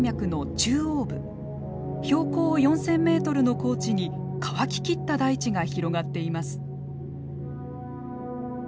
標高４，０００メートルの高地に乾ききった大地が広がっています。